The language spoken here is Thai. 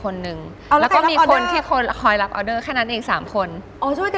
คุณกับเธอแล้วที่ดีมากเธอก็ต้องผลิตการเสริมอาหารของเจ๊